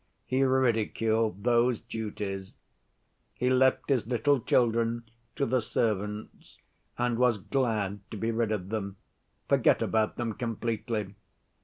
He ridiculed those duties. He left his little children to the servants, and was glad to be rid of them, forgot about them completely.